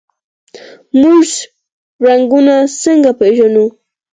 موږ رنګونه څنګه پیژنو؟